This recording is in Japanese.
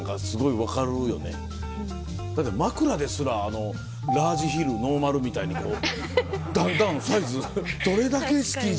だって枕ですらラージヒルノーマルみたいにだんだんサイズ。